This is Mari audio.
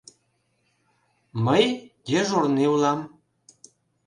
Мый дежурный улам.